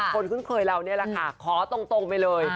คนคุณเผยเรานี่ล่ะค่ะขอตรงไปเลย